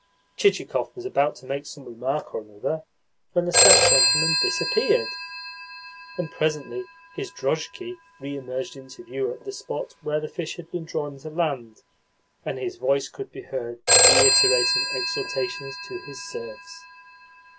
Chichikov was about to make some remark or another when the stout gentleman disappeared; and presently his drozhki re emerged into view at the spot where the fish had been drawn to land, and his voice could be heard reiterating exhortations to his serfs.